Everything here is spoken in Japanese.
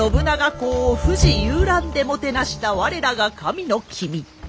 公を富士遊覧でもてなした我らが神の君。